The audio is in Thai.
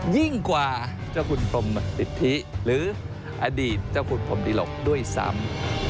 ยิ่งกว่าเจ้าคุณพรมสิทธิหรืออดีตเจ้าคุณพรมดิหลกด้วยซ้ำ